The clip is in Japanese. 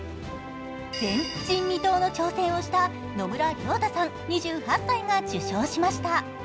前人未到の挑戦をした野村良太さん、２８歳が受賞しました。